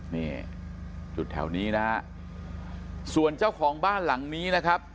นี่จุดแถวนี้นะฮะส่วนเจ้าของบ้านหลังนี้นะครับ